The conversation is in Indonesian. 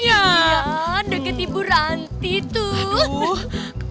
ya deket ibu ranti tuh